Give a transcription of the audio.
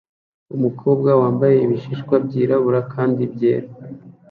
Umukobwa wambaye ibishishwa byirabura kandi byera